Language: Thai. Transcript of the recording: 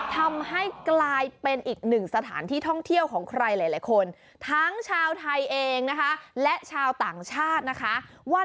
ทำให้กลายเป็นอีกหนึ่งสถานที่ท่องเที่ยวของใครหลายคนทั้งชาวไทยเองนะคะและชาวต่างชาตินะคะว่า